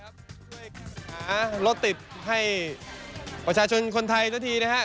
ช่วยหารถติดให้ประชาชนคนไทยเจ้าทีนะครับ